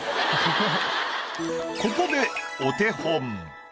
ここでお手本。